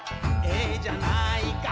「ええじゃないか」